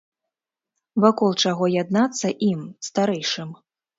Вакол чаго яднацца ім, старэйшым?